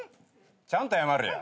ちゃんと謝れや。